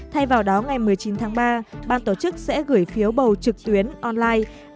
thay vào đó ngày một mươi chín tháng ba ban tổ chức sẽ gửi phiếu bầu trực tuyến online